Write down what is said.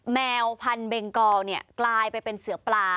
แมวพันธเบงกอลกลายไปเป็นเสือปลา